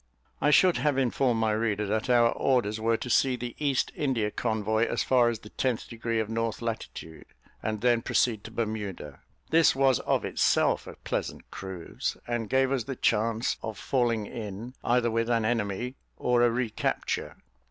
I should have informed my reader that our orders were to see the East India convoy as far as the tenth degree of north latitude, and then proceed to Bermuda. This was of itself a pleasant cruise, and gave us the chance of falling in either with an enemy or a recapture.